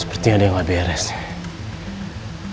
seperti ada yang gak beres nih